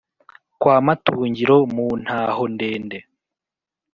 Kwa Matungiro mu Ntaho ndende